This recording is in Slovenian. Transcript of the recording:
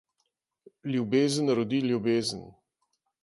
Ljubezen rodi ljubezen.